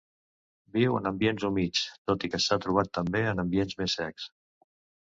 Viu en ambients humits, tot i que s'ha trobat també en ambients més secs.